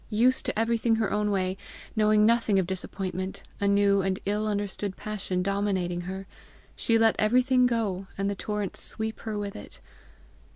Used to everything her own way, knowing nothing of disappointment, a new and ill understood passion dominating her, she let everything go and the torrent sweep her with it.